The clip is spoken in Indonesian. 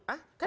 ah kan ketua